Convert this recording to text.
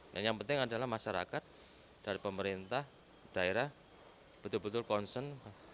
dan yang penting adalah masyarakat dari pemerintah daerah betul betul konsen